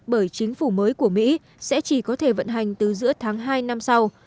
bởi chính phủ mới của mỹ sẽ chỉ có thể vận hành từ giữa tháng hai năm sau